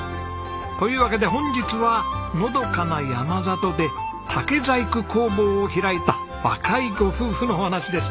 というわけで本日はのどかな山里で竹細工工房を開いた若いご夫婦のお話です。